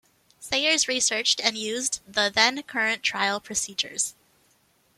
Sayers researched and used the then current trial procedures.